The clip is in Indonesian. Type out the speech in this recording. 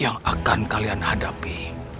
yang akan kalian hadapi